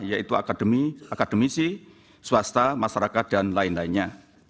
yaitu akademi akademisi swasta masyarakat dan lain lainnya